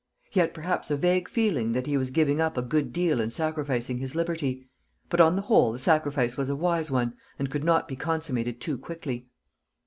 He had perhaps a vague feeling that he was giving up a good deal in sacrificing his liberty; but on the whole the sacrifice was a wise one, and could not be consummated too quickly.